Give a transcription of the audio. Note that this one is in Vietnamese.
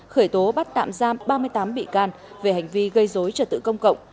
khởi tố bắt tạm giam ba mươi tám bị can về hành vi gây dối trật tự công cộng